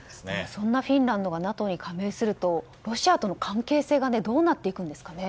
そんなフィンランドがＮＡＴＯに加盟するとロシアとの関係性はどうなっていくんですかね。